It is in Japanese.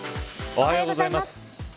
おはようございます。